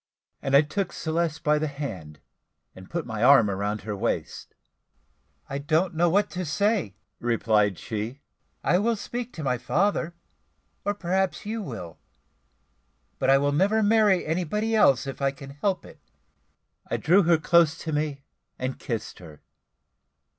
And I took Celeste by the hand, and put my arm round her waist. "I don't know what to say," replied she, "I will speak to my father, or perhaps you will; but I will never marry anybody else if I can help it." I drew her close to me, and kissed her.